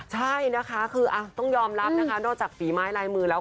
ใช่นะคะคือต้องยอมรับนะคะนอกจากฝีไม้ลายมือแล้ว